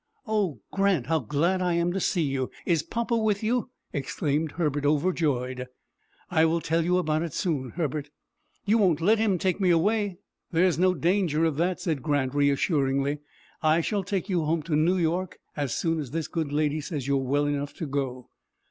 "Oh, Grant, how glad I am to see you! Is papa with you?" exclaimed Herbert, overjoyed. "I will tell you about it soon, Herbert." "You won't let him take me away?" "There is no danger of that," said Grant, reassuringly. "I shall take you home to New York as soon as this good lady says you are well enough to go."